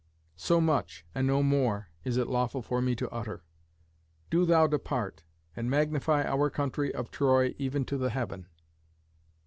So much, and no more, is it lawful for me to utter. Do thou depart, and magnify our country of Troy even to the heaven."